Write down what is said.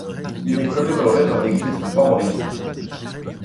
Il est commémoré dans l'église de Panbride.